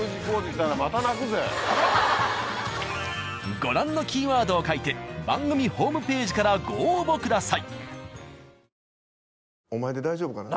ご覧のキーワードを書いて番組ホームページからご応募ください。